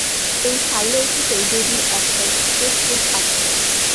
এই ফাইলের ভেতর জুডির একটা স্কেচবুক আছে।